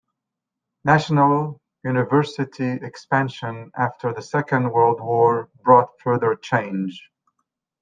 National university expansion after the Second World War brought further change.